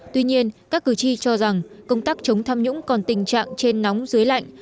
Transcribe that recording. tuy nhiên các cử tri cho rằng công tác chống tham nhũng còn tình trạng trên nóng dưới lạnh